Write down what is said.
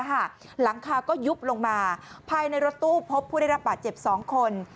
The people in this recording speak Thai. หลังคาก็ยุบลงมาภายในรถตู้พบผู้ได้รับบาดเจ็บ๒คน